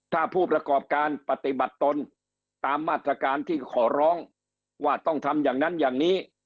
ถ้าผู้ประกอบการปฏิบัติตนตามมาตรการที่ขอร้องว่าต้องทำอย่างนั้นอย่างนี้